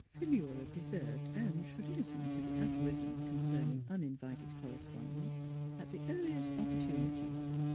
Philura deserved and should listen to the aphorism concerning uninvited corre spondence at the earliest opportunity.